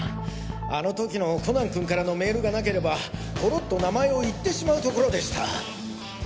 あのときのコナン君からのメールがなければぽろっと名前を言ってしまうところでした。